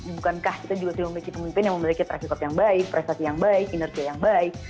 bukankah kita juga masih memiliki pemimpin yang memiliki trafikot yang baik prestasi yang baik inerjia yang baik